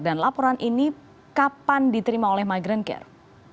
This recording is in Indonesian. dan laporan ini kapan diterima oleh migrant care